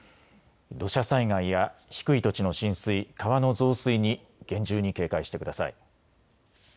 土砂災害や低い土地の浸水、川の増水に厳重に警戒してください。